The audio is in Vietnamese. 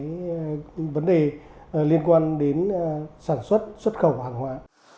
cái vấn đề liên quan đến sản xuất xuất khẩu hàng hóa